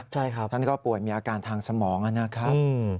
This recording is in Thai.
ใช่ครับครับมีอาการทางสมองอ่ะนะครับ